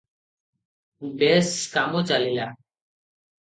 ବେଶ କାମ ଚଳିଲା ।